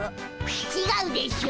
ちがうでしょう。